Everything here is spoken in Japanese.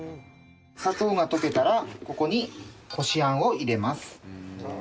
砂糖が溶けたらここにこしあんを入れます。